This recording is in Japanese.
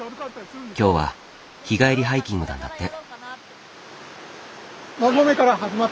今日は日帰りハイキングなんだって。